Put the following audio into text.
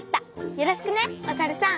よろしくねおさるさん！